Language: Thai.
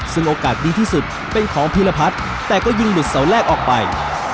ซึ่งโอกาสดีที่สุดเป็นของพีรพัฒน์แต่ก็ยิงหลุดเสาแรกออกไป